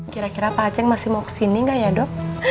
kira kira pak aceh masih mau kesini gak ya dok